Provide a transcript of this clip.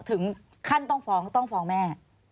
ถึงขั้นต้องฟ้องต้องฟ้องแม่